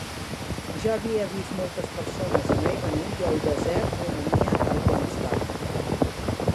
Ja havia vist moltes persones anar i venir, i el desert romania tal com estava.